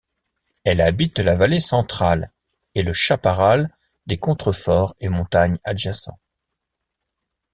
Elle habite la Vallée centrale et le chaparral des contreforts et montagnes adjacents.